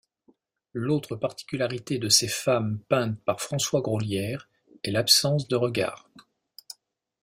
L'autre particularité de ces femmes peintes par François Groslière, est l'absence de regard.